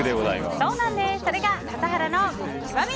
それが笠原の極み。